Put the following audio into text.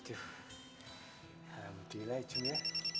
alhamdulillah ijum ya